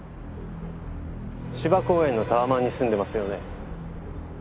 芝公園のタワマンに住んでますよね？